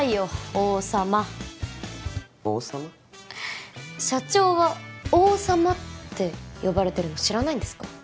王様王様？社長は王様って呼ばれてるの知らないんですか？